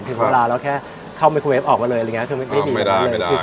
ถึงเวลาเราแค่เข้าเมคูเวฟออกมาเลยอะไรอย่างเงี้ยคือไม่ได้ไม่ได้ไม่ได้